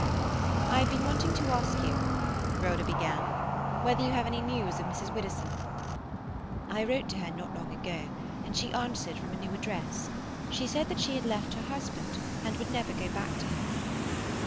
"I have been wanting to ask you," Rhoda began, "whether you have any news of Mrs. Widdowson." "I wrote to her not long ago, and she answered from a new address. She said she had left her husband and would never go back to him."